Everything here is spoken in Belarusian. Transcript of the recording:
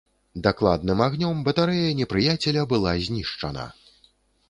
Дакладным агнём батарэя непрыяцеля была знішчана.